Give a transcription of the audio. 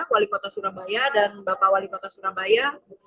wali kota surabaya dan bapak wali kota surabaya